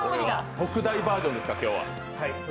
特大バージョンですか、今日は。